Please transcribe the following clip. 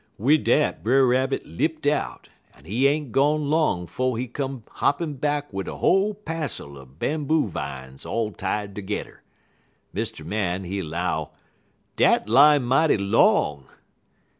"Wid dat Brer Rabbit lipt out, en he ain't gone long 'fo' he come hoppin' back wid a whole passel er bamboo vines all tied tergedder. Mr. Man, he 'low: "'Dat line mighty long.'